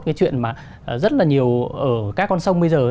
cái chuyện mà rất là nhiều ở các con sông bây giờ